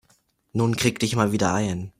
Nun krieg dich mal wieder ein.